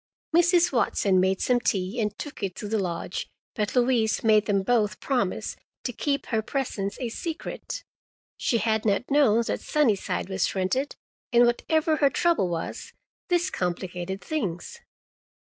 Mrs. Watson made some tea and took it to the lodge, but Louise made them both promise to keep her presence a secret. She had not known that Sunnyside was rented, and whatever her trouble was, this complicated things.